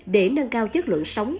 để nâng cao chất lượng sống